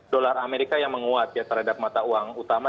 dolar amerika yang menguat ya terhadap mata uang utama